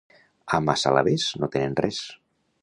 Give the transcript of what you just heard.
A Massalavés no tenen res.